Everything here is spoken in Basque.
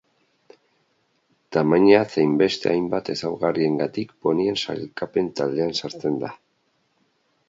Tamaina zein beste hainbat ezaugarriengatik ponien sailkapen taldean sartzen da.